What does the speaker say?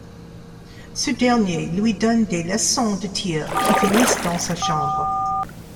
Ce dernier lui donne des leçons de tir qui finissent dans sa chambre.